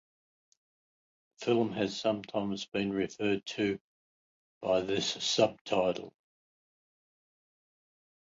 The film has sometimes been referred to by this subtitle.